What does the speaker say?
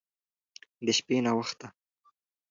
د شپې ناوخته